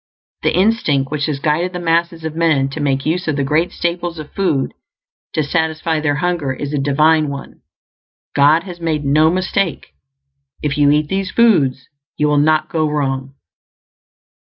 The instinct which has guided the masses of men to make use of the great staples of food to satisfy their hunger is a divine one. God has made no mistake; if you eat these foods you will not go wrong.